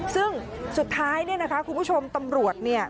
ซึ่งสุดท้ายเนี่ยนะคะคุณผู้ชมตำรวจเนี่ย